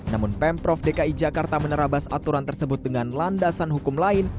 namun pemprov dki jakarta menerabas aturan tersebut dengan landasan hukum lain